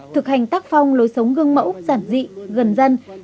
thực hành tác phong lối sống gương mẫu giản dị gần dân